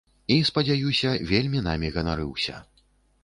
І, спадзяюся, вельмі намі ганарыўся.